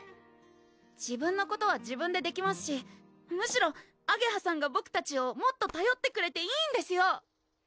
自分のことは自分でできますしむしろあげはさんがボクたちをもっとたよってくれていいんですよ